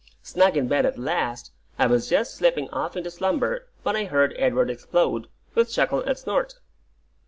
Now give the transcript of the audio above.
Snug in bed at last, I was just slipping off into slumber when I heard Edward explode, with chuckle and snort.